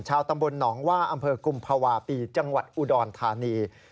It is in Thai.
ตำบลหนองว่าอำเภอกุมภาวะปีจังหวัดอุดรธานี